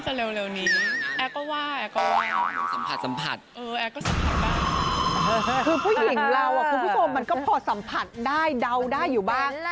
คือผู้หญิงเราคุณผู้ชมมันก็พอสัมผัสได้เดาได้อยู่บ้าง